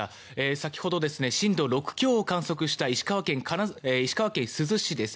先ほど、震度６強を観測した石川県珠洲市です。